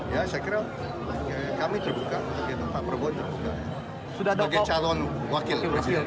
ya saya kira kami terbuka pak prabowo sebagai calon wakil